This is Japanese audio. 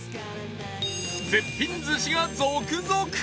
絶品寿司が続々！